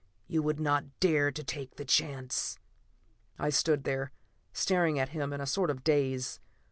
You would not dare to take the chance!" I stood there, staring at him in a sort of daze.